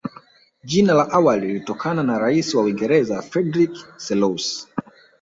Jina la awali lilitokana na raia wa Uingereza Frederick Selous